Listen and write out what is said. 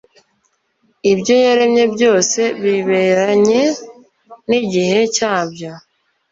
ibyo yaremye byose biberanye n'igihe cyabyo